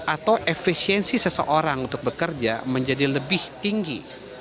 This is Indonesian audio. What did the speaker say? atau efisiensi seseorang untuk bekerja menjadi lebih tinggi